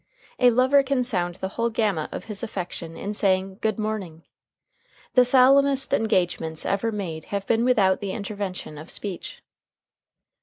A lover can sound the whole gamut of his affection in saying Good morning. The solemnest engagements ever made have been without the intervention of speech.